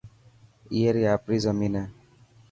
ائي ري آپري زمين هي.